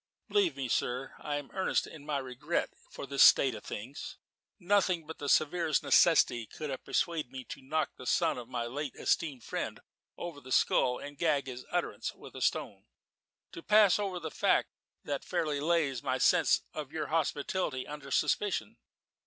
"Believe me, sir, I am earnest in my regret for this state of things. Nothing but the severest necessity could have persuaded me to knock the son of my late esteemed friend over the skull and gag his utterance with a stone to pass over the fact that it fairly lays my sense of your hospitality under suspicion.